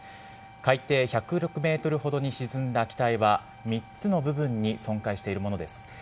海底１０６メートルほどに沈んだ機体は、３つの部分に損壊しているものです。